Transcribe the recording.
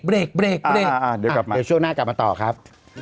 เบรกเดี๋ยวกลับมาเดี๋ยวช่วงหน้ากลับมาต่อครับ